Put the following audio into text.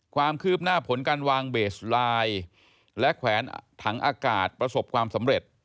ความคืบหน้าผลการวางเบสไลน์และแขวนถังอากาศประสบความสำเร็จ